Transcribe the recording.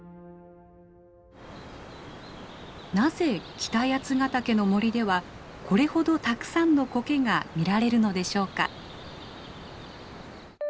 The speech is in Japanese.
なぜ北八ヶ岳の森ではこれほどたくさんのコケが見られるのでしょうか。